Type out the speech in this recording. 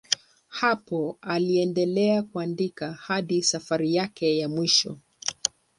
Hapa aliendelea kuandika hadi safari yake ya mwisho.